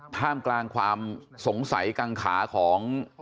ท่ามกลางความสงสัยกางขาของ